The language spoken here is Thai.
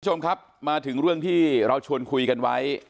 คุณผู้ชมครับมาถึงเรื่องที่เราชวนคุยกันไว้